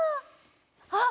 あっ！